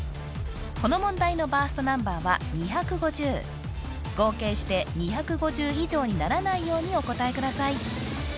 この問題のバーストナンバーは２５０合計して２５０以上にならないようにお答えください